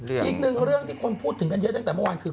อีกหนึ่งเรื่องที่คนพูดถึงกันเยอะตั้งแต่เมื่อวานคือ